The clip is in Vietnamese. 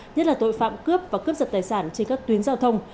nhất là tội phạm cướp và cướp giật tài sản trên các tuyến giao thông